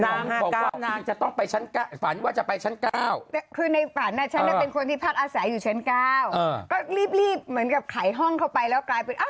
นางหากาวนางจะต้องไปชั้นก้าวฝันว่าจะไปชั้นก้าว